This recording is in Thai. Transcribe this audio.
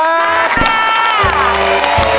มากครับ